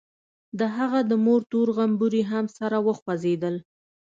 د هغه د مور تور غومبري هم سره وخوځېدل.